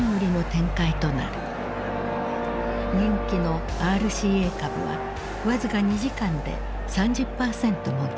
人気のＲＣＡ株は僅か２時間で３０％も下落。